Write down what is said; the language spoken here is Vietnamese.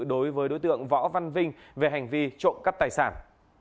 đối với đối tượng võ văn vinh về hành vi trộm cắp tài sản